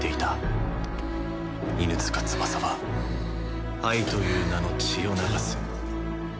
犬塚翼は愛という名の血を流すと。